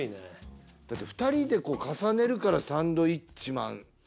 だって２人で重ねるからサンドウィッチマン。